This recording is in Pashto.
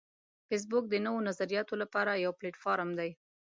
فېسبوک د نوو نظریاتو لپاره یو پلیټ فارم دی